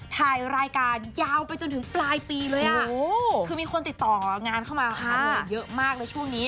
ถ่ายรายการยาวไปจนถึงปลายปีเลยอ่ะคือมีคนติดต่องานเข้ามาพาหนูเยอะมากเลยช่วงนี้